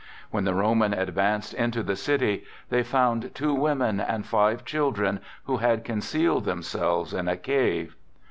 When the Romans advanced into the city, they found two women and five children, who had concealed themselves in a cave.